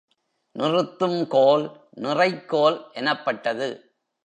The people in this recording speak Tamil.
நிறுத்தும் கோல் நிறைக்கோல் எனப்பட்டது.